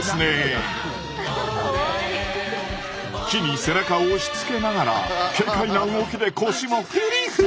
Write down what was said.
木に背中を押しつけながら軽快な動きで腰もフリフリ！